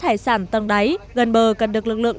hải sản tầng đáy gần bờ cần được lực lượng